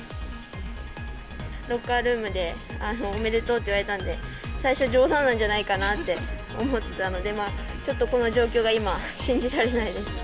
ロッカールームで、おめでとうって言われたので、最初、冗談じゃないかなと思ったので、ちょっとこの状況が今、信じられないです。